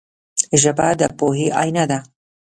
ژبه د پوهې آینه ده